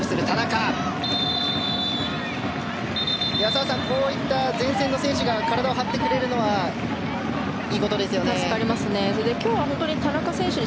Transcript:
澤さん、こうやって前線の選手が体を張ってくれるのはいいことですよね。